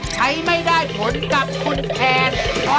ใช้ไม่ได้ผลกับคุณแคน